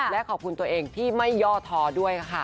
และขอบคุณตัวเองที่ไม่ย่อท้อด้วยค่ะ